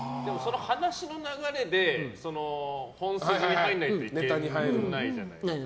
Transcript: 話の流れで本筋に入らないといけないじゃないですか。